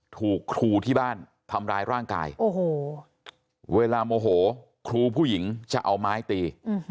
ถูกครูที่บ้านทำร้ายร่างกายโอ้โหเวลาโมโหครูผู้หญิงจะเอาไม้ตี